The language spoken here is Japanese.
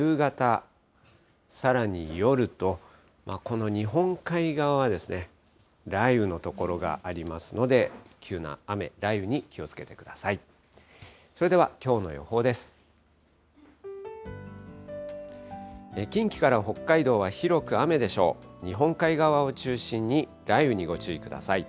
夕方、さらに夜と、この日本海側は、雷雨の所がありますので、急な雨、雷雨に気をつけてください。